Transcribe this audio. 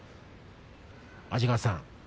安治川さん